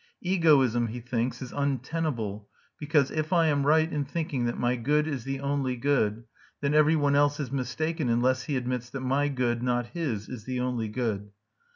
Egoism, he thinks, is untenable because "if I am right in thinking that my good is the only good, then every one else is mistaken unless he admits that my good, not his, is the only good."